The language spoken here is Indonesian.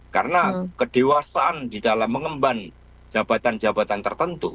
karena kedewasaan di dalam mengemban jabatan jabatan tertentu